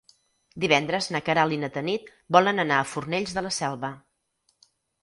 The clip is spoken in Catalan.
Divendres na Queralt i na Tanit volen anar a Fornells de la Selva.